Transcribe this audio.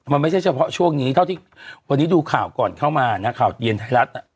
มันไม่ใช่เฉพาะช่วงนี้เท่าที่วันนี้ดูข่าวก่อนเข้ามานะข่าวเย็นไทยรัฐ